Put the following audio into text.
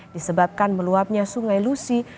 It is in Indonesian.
disebabkan meluapnya sungai lusi